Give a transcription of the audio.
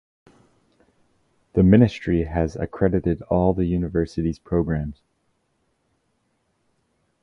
The Ministry has accredited all the university's programs.